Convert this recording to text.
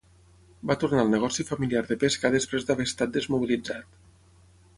Va tornar al negoci familiar de pesca després d'haver estat desmobilitzat.